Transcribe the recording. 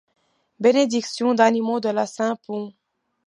Bénédiction d'animaux de La Saint Pons.